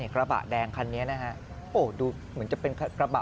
กระบะแดงคันนี้นะฮะโอ้ดูเหมือนจะเป็นกระบะ